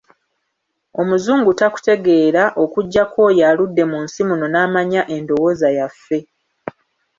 Omuzungu takutegeera okuggyako oyo aludde mu nsi muno n'amanya endowoza yaffe.